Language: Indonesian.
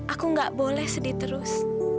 aku gak boleh sedih terus